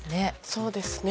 そうですね。